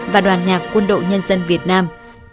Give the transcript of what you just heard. và đoàn nhạc quân đội nhân dân việt nam